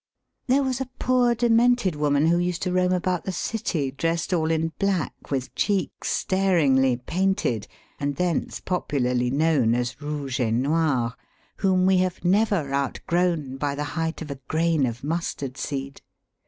There was a poor demented woman who used to roam about the City, dressed all in black with cheeks staringly painted, and thence popularly known as Rouge et Noire ; whom we have never outgrown by the height of a grain of mustard seed.